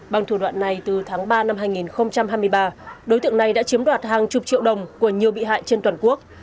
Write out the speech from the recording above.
bằng thủ đoạn này từ tháng ba năm hai nghìn hai mươi ba đối tượng này đã chiếm đoạt hàng chục triệu đồng của nhiều bị hại trên toàn quốc